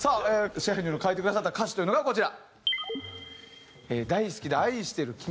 支配人の書いてくださった歌詞というのがこちら。